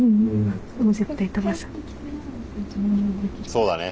そうだね。